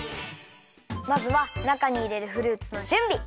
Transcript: まずはなかにいれるフルーツのじゅんび！